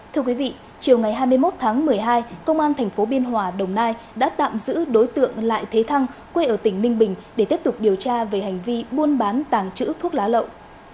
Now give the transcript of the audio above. thưa quý vị chiều ngày hai mươi một tháng một mươi hai công an tp biên hòa đồng nai đã tạm giữ đối tượng lại thế thăng quê ở tỉnh ninh bình để tiếp tục điều tra về hành vi buôn bán tàng trữ thuốc lá lậu